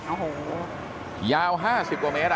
โอ้โหยาว๕๐กว่าเมตร